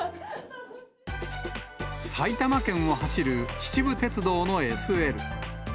埼玉県を走る秩父鉄道のＳＬ。